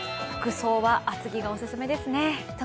服装は厚着がお勧めですね。